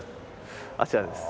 あちらです。